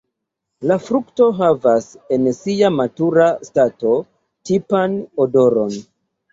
La frukto havas en sia matura stato tipan odoron.